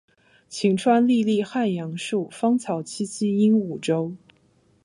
晴川历历汉阳树，芳草萋萋鹦鹉洲。